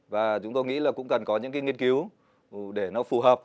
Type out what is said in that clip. và chúng tôi nghĩ là cũng cần có những cái nghiên cứu để nó phù hợp